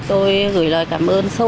tôi gửi lời cảm ơn sở hữu